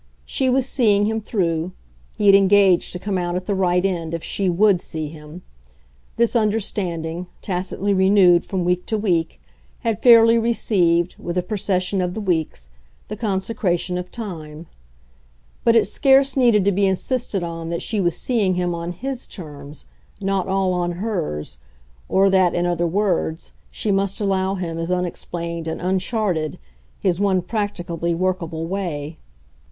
She was seeing him through he had engaged to come out at the right end if she WOULD see him: this understanding, tacitly renewed from week to week, had fairly received, with the procession of the weeks, the consecration of time; but it scarce needed to be insisted on that she was seeing him on HIS terms, not all on hers, or that, in other words, she must allow him his unexplained and uncharted, his one practicably workable way.